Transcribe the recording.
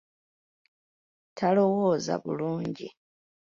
Talowooza bulungi.